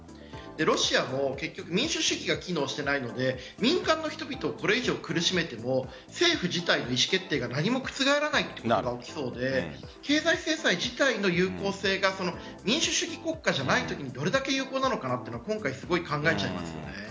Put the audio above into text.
ロシアも結局民主主義が機能していないので民間の人々をこれ以上苦しめても政府自体の意思決定が何も覆らないことが起きそうで経済制裁自体の有効性が民主主義国家じゃないときにどれだけ有効なのかと考えちゃいます。